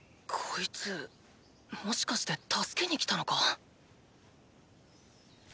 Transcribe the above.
いつもしかして助けにきたのか？